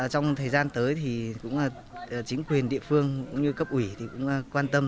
trong thời gian tới thì cũng chính quyền địa phương cũng như cấp ủy thì cũng quan tâm